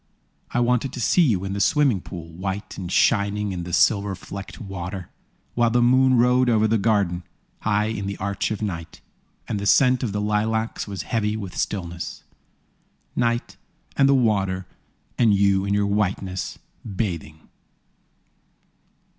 I wanted to see you in the swimming pool, White and shining in the silver flecked water. While the moon rode over the garden, High in the arch of night, And the scent of the lilacs was heavy with stillness. Night, and the water, and you in your whiteness, bathing!